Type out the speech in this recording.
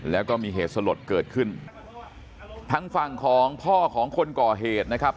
แล้วก็มีเหตุสลดเกิดขึ้นทั้งฝั่งของพ่อของคนก่อเหตุนะครับ